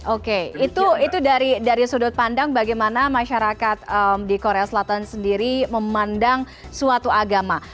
oke itu dari sudut pandang bagaimana masyarakat di korea selatan sendiri memandang suatu agama